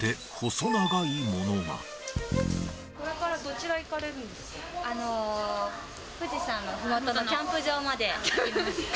これからどちら行かれるんですか。